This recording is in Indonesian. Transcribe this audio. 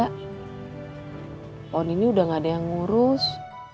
pohon ini udah gak ada yang ngurus